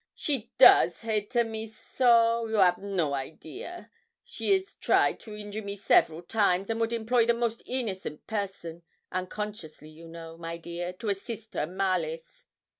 'She does hate a me so, you av no idea. She as tryed to injure me several times, and would employ the most innocent person, unconsciously you know, my dear, to assist her malice.'